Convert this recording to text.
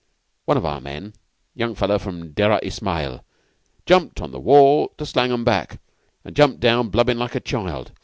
One of our men, a young fellow from Dera Ismail, jumped on the wall to slang 'em back, and jumped down, blubbing like a child.